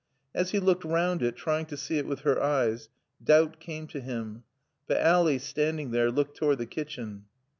As he looked round it, trying to see it with her eyes, doubt came to him. But Ally, standing there, looked toward the kitchen.